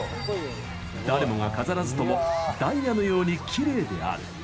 「誰もが飾らずともダイヤのようにきれいである」。